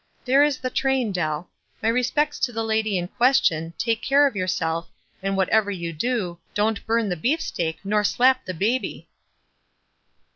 There is the train, Dell. My respects to the lady in question, take care of yourself, and whatever you do, don't burn the beefrteak, nor slap the baby."